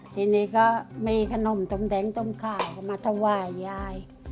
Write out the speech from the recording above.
ทีนี้ก็มีขนมต้มแดงต้มขาวมาถวายยาย